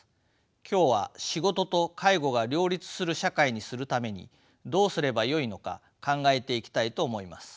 今日は仕事と介護が両立する社会にするためにどうすればよいのか考えていきたいと思います。